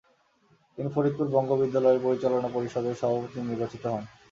তিনি ফরিদপুর বঙ্গ বিদ্যালয়ের পরিচালনা পরিষদের সভাপতি নির্বাচিত হন।